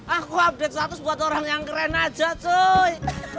aku update status buat orang yang keren aja coy